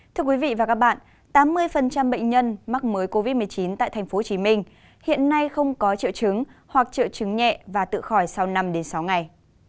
thưa quý vị và các bạn tám mươi bệnh nhân mắc mới covid một mươi chín tại tp hcm hiện nay không có triệu chứng hoặc triệu chứng nhẹ và tự khỏi sau năm đến sáu ngày